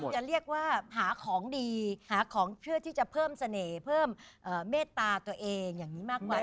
จะเรียกว่าหาของดีหาของเพื่อที่จะเพิ่มเสน่ห์เพิ่มเมตตาตัวเองอย่างนี้มากกว่า